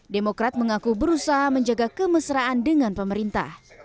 demokrat mengaku berusaha menjaga kemesraan dengan pemerintah